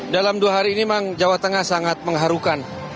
dalam dua hari ini memang jawa tengah sangat mengharukan